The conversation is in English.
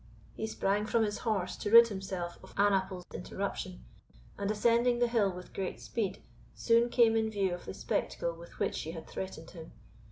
He sprang from his horse to rid himself of Annaple's interruption, and, ascending the hill with great speed, soon came in view of the spectacle with which she had threatened him.